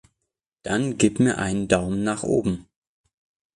Dann gib mir einen Daumen nach oben!